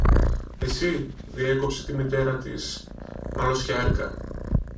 Εύα, διέκοψε η μητέρα της, μαλωσιάρικα.